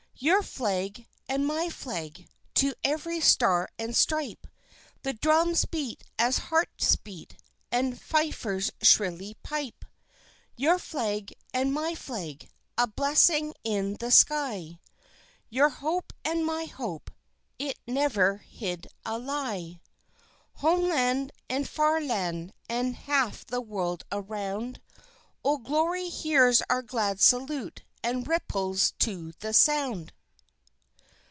Your flag and my flag! To every star and stripe The drums beat as hearts beat, And fifers shrilly pipe! Your flag and my flag A blessing in the sky; Your hope and my hope It never hid a lie! Home land and far land and half the world around, Old Glory hears our glad salute and ripples to the sound.